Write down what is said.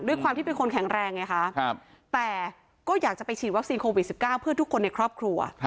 ด้วยความที่เป็นคนแข็งแรงไงคะแต่ก็อยากจะไปฉีดวัคซีนโควิด๑๙เพื่อทุกคนในครอบครัว